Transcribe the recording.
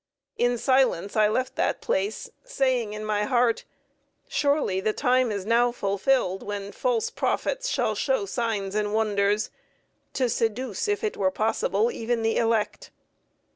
In silence I left the place, saying in my heart, "Surely the time is now fulfilled, when false prophets shall show signs and wonders to seduce, if it were possible, even the elect."